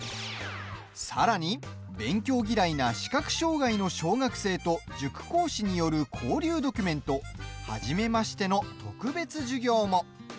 さらに勉強嫌いな視覚障害の小学生と塾講師による交流ドキュメント「はじめましての特別授業」も。